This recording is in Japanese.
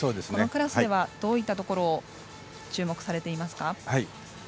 このクラスではどういったところ注目されていますか。